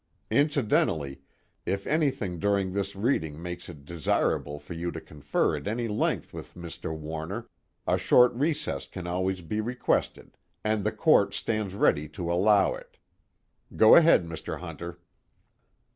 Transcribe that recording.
Incidentally, if anything during this reading makes it desirable for you to confer at any length with Mr. Warner, a short recess can always be requested, and the Court stands ready to allow it. Go ahead, Mr. Hunter.